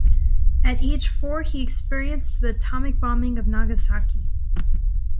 At age four, he experienced the atomic bombing of Nagasaki.